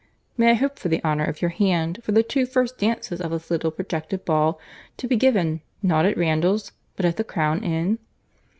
May I hope for the honour of your hand for the two first dances of this little projected ball, to be given, not at Randalls, but at the Crown Inn?"